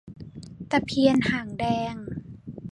ตะเพียนหางแดง